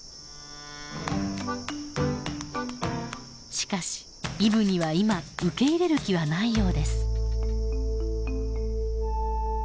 しかしイブには今受け入れる気はないようです。